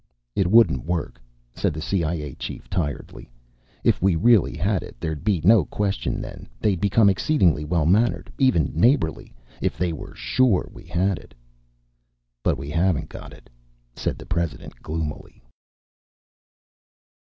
"It wouldn't work," said the CIA chief tiredly. "If we really had it, there'd be no question then. They'd become exceedingly well mannered, even neighborly, if they were sure we had it." "But we haven't got it," said the President gloomily.